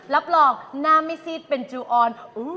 รับรองหน้าไม่ซีดเป็นจูออน